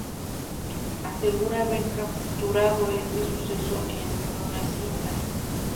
Asegura haber capturado este suceso en una cinta.